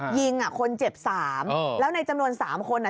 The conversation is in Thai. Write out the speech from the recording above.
ยิงอ่ะคนเจ็บสามแล้วในจำนวน๓คนอ่ะ